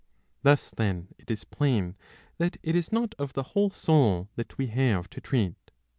Thus then it is plain that it is not of the whole soul that we have to treat.